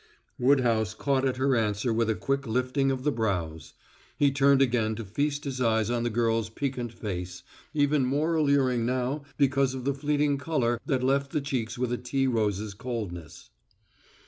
Woodhouse caught at her answer with a quick lifting of the brows. He turned again to feast his eyes on the girl's piquant face, even more alluring now because of the fleeting color that left the cheeks with a tea rose's coldness.